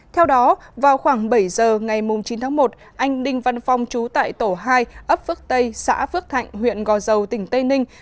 theo đó vào khoảng bảy giờ ngày chín tháng một anh đinh văn phong chú tại tổ hai ấp phước tây xã phước thạnh huyện gò dầu tỉnh tây ninh